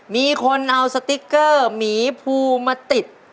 มีคนเอาสติ๊กเกอร์หมีภูมาติด